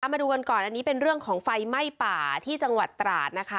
มาดูกันก่อนอันนี้เป็นเรื่องของไฟไหม้ป่าที่จังหวัดตราดนะคะ